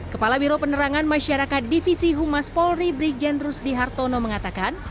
kepala biro penerangan masyarakat divisi humas polri brig jendrus dihartono mengatakan